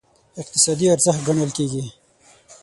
اقتصادي ارزښت ګڼل کېږي.